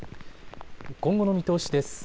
今後の見通しです。